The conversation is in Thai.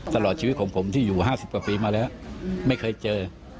ตลอดชีวิตของผมที่อยู่๕๐กว่าปีมาแล้วไม่เคยเจอ